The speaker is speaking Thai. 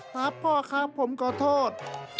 ครับพ่อครับผมขอโทษ